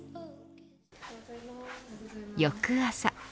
翌朝。